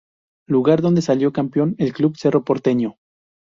Lugar donde salió Campeón el club Cerro Porteño.